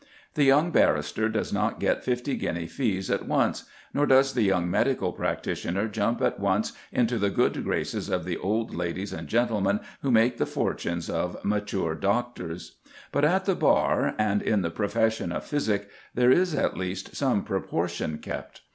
The young barrister does not get fifty guinea fees at once, nor does the young medical practitioner jump at once into the good graces of the old ladies and gentlemen who make the fortunes of mature doctors; but at the bar, and in the profession of physic, there is at least some proportion kept.